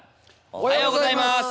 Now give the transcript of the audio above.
おはようございます。